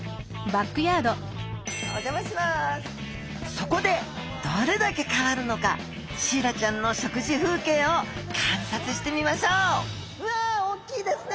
そこでどれだけ変わるのかシイラちゃんの食事風景を観察してみましょうわおっきいですね！